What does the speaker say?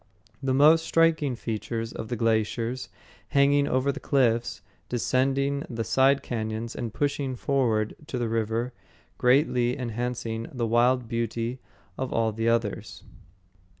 The most striking features are the glaciers, hanging over the cliffs, descending the side cañons and pushing forward to the river, greatly enhancing the wild beauty of all the others.